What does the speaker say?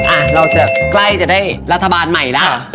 อ่ะเราจะใกล้จะได้รัฐบาลใหม่แล้ว